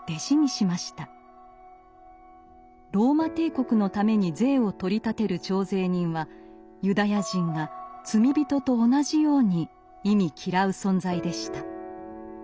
ローマ帝国のために税を取り立てる徴税人はユダヤ人が罪人と同じように忌み嫌う存在でした。